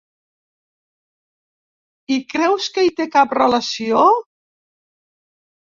I creus que hi té cap relació?